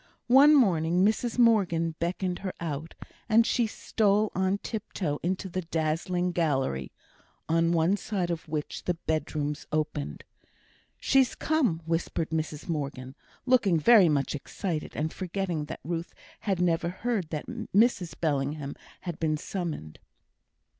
One morning Mrs Morgan beckoned her out; and she stole on tiptoe into the dazzling gallery, on one side of which the bedrooms opened. "She's come," whispered Mrs Morgan, looking very much excited, and forgetting that Ruth had never heard that Mrs Bellingham had been summoned.